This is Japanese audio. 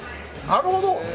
なるほど。